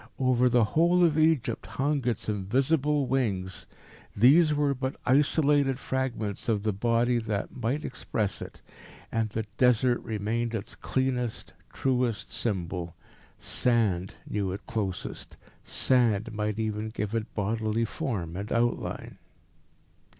Over the whole of Egypt hung its invisible wings. These were but isolated fragments of the Body that might express it. And the Desert remained its cleanest, truest symbol. Sand knew it closest. Sand might even give it bodily form and outline.